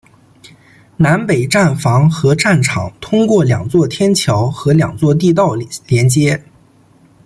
南北站房和站场通过两座天桥和两座地道连接。